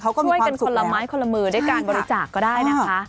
เขาก็มีความสุขแล้วช่วยกันคนละไม้คนละมือด้วยการบริจาคก็ได้นะคะ